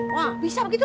wah bisa begitu